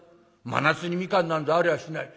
真夏に蜜柑なんぞありゃしない。